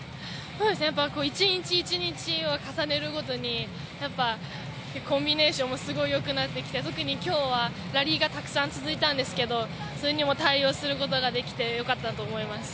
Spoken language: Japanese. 一日一日を重ねるごとに、コンビネーションもすごいよくなってきて特に今日はラリーがたくさん続いたんですけどそれにも対応することができて、よかったと思います。